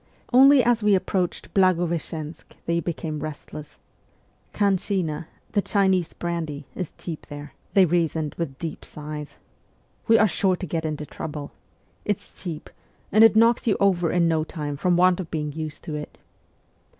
Only as we approached Blagoveschensk they became restless. ' Khanshina ' (the Chinese brandy) is cheap there,' they reasoned with deep sighs. ' We are sure to get into trouble ! It's cheap, and it knocks you over in no time from want of being used to it